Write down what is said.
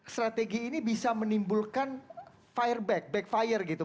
strategi ini bisa menimbulkan fire back backfire gitu